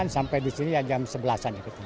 delapan sampai di sini jam sebelas an